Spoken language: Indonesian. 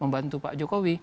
membantu pak jokowi